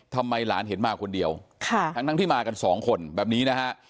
ทำไมหลานเห็นมาคนเดียวค่ะทั้งที่มากันสองคนแบบนี้นะฮะ